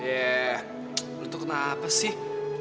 eh lo tuh kenapa sih